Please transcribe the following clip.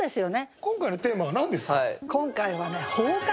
今回のテーマは何ですか？